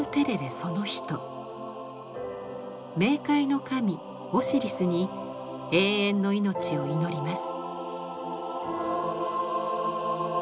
冥界の神オシリスに永遠の命を祈ります。